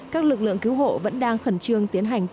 các lực lượng cứu hộ vẫn đang khẩn trương